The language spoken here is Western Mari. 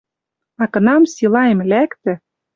А кынам силаэм лӓктӹ